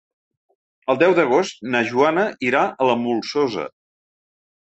El deu d'agost na Joana irà a la Molsosa.